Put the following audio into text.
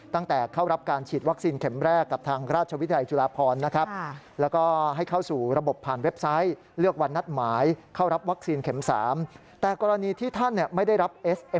ตั้งแต่เข้ารับการฉีดวัคซีนเข็มแรกกับทางราชวิทยาลัยจุฬาพรนะครับ